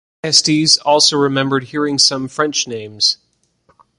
Estes also remembered hearing some French names.